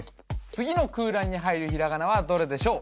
次の空欄に入るひらがなはどれでしょう